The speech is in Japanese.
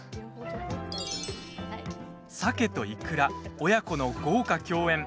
サケといくら、親子の豪華共演。